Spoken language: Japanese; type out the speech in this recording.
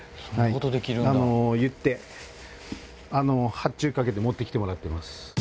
発注かけて持ってきてもらってます。